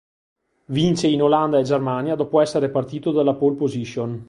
Vince in Olanda e Germania dopo essere partito dalla pole position.